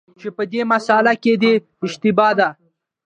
چي په دې مسأله کي دی اشتباه دی،